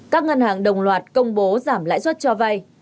các ngân hàng đồng loạt công bố giảm lãi suất cho vay